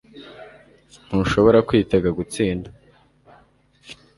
Ntushobora kwitega gutsinda